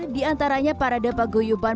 di antaranya para depa goyuban